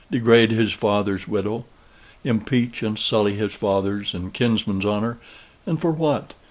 degrade his father's widow? impeach and sully his father's and kinsman's honor? and for what?